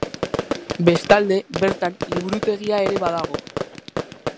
Bestalde, bertan liburutegia ere badago.